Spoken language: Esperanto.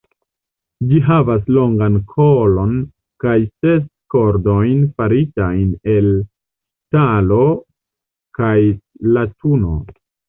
Ĝi havas longan kolon kaj ses kordojn faritajn el ŝtalo kaj latuno.